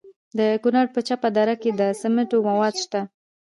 د کونړ په چپه دره کې د سمنټو مواد شته.